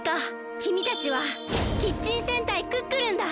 きみたちはキッチン戦隊クックルンだ！